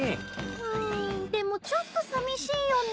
うんでもちょっとさみしいよね。